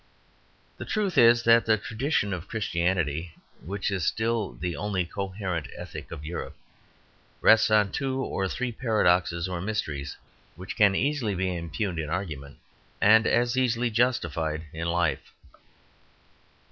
The truth is that the tradition of Christianity (which is still the only coherent ethic of Europe) rests on two or three paradoxes or mysteries which can easily be impugned in argument and as easily justified in life.